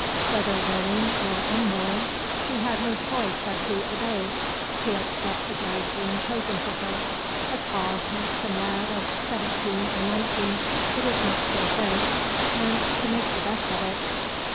Whether willing or unwilling, she had no choice but to obey, to accept the bridegroom chosen for her a tall, handsome lad of seventeen or nineteen, it is not clear which and to make the best of it.